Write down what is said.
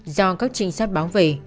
do các trinh sát báo về